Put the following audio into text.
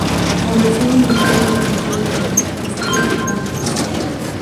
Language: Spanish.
La versión europea fue conocida como Street Gangs.